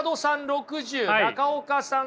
６０中岡さん